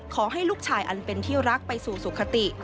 ขอให้ลูกชายอันเป็นที่รักไปสู่สุขติ